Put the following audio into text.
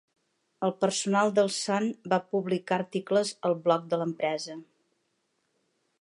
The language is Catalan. El personal del Sun va publicar articles al blog de l'empresa.